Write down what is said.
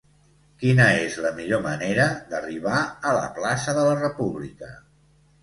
Quina és la millor manera d'arribar a la plaça de la República?